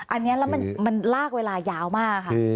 อันนี้แล้วมันลากเวลายาวมากค่ะ